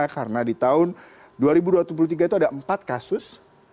karena di tahun dua ribu dua puluh tiga itu ada empat kasus